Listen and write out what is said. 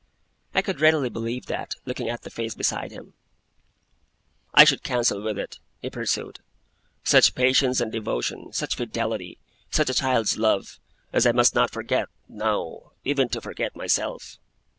I could readily believe that, looking at the face beside him. 'I should cancel with it,' he pursued, 'such patience and devotion, such fidelity, such a child's love, as I must not forget, no! even to forget myself.